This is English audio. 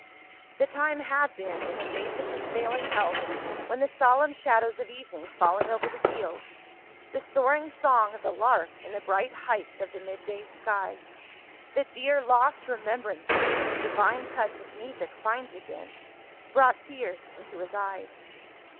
The time had been, in the days of his failing health, when the solemn shadows of evening falling over the fields the soaring song of the lark in the bright heights of the midday sky the dear lost remembrances that the divine touch of music finds again brought tears into his eyes.